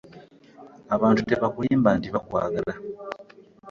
Abantu tebakulimba nti bakwagala.